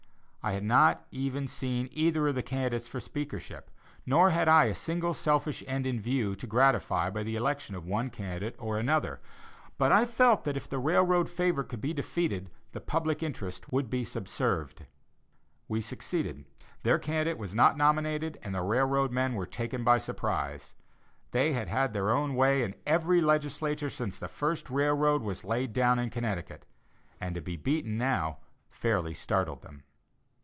I had not even seen either of the candidates for the speakership, nor had I a single selfish end in view to gratify by the election of one candidate or the other; but I felt that if the railroad favorite could be defeated, the public interest would be subserved. We succeeded; their candidate was not nominated, and the railroad men were taken by surprise. They had had their own way in every legislature since the first railroad was laid down in Connecticut, and to be beaten now fairly startled them.